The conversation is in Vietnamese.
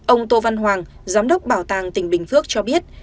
ông tô văn hoàng giám đốc bảo tàng tỉnh bình phước cho biết